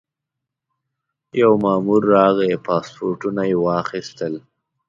یو مامور راغی پاسپورټونه یې واخیستل.